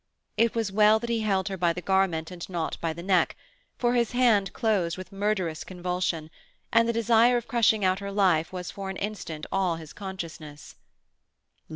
It was well that he held her by the garment and not by the neck, for his hand closed with murderous convulsion, and the desire of crushing out her life was for an instant all his consciousness.